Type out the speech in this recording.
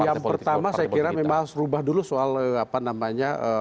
yang pertama saya kira memang harus rubah dulu soal apa namanya